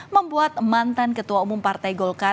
membuat mantan ketua umum partai golkar